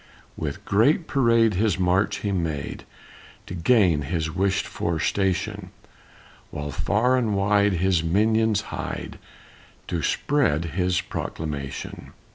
With great parade his march he made To gain his wished for station, While far and wide his minions hied To spread his "Proclamation."